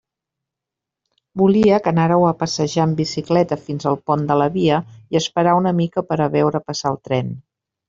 Volia que anàreu a passejar en bicicleta fins al pont de la via i esperar una mica per a veure passar el tren.